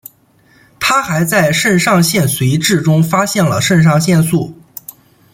他还在肾上腺髓质中发现了肾上腺素。